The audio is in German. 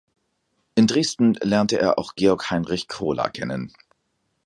In Dresden lernte er auch Georg Heinrich Crola kennen.